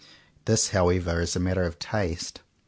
This how ever is a matter of taste.